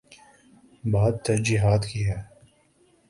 بات ترجیحات کی ہے۔